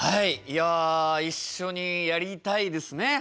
いや一緒にやりたいですね。